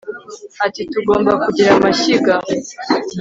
Ati Tugomba kugira amashyiga